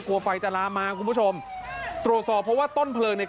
กลัวไฟจะลามมาคุณผู้ชมตรวจสอบเพราะว่าต้นเพลิงเนี่ย